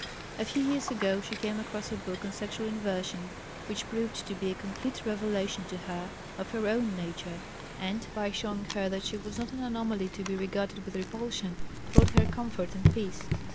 A few years ago she came across a book on sexual inversion which proved to be a complete revelation to her of her own nature, and, by showing her that she was not an anomaly to be regarded with repulsion, brought her comfort and peace.